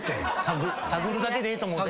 探るだけでええと思うで。